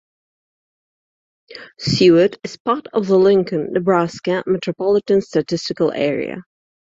Seward is part of the Lincoln, Nebraska Metropolitan Statistical Area.